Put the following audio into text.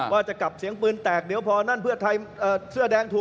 ว่าจะกลับเสียงปืนแตกเดี๋ยวพอนั่นเพื่อไทยเสื้อแดงถูก